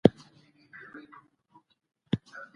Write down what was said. ولې تاسو دلته ولاړ یاست؟